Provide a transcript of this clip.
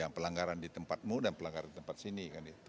pelanggaran di tempatmu dan pelanggaran di tempat sini